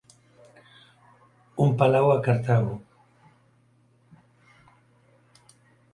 Un palau a Cartago.